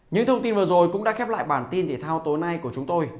những thông tin vừa rồi cũng đã khép lại bản tin thể thao tối nay của chúng tôi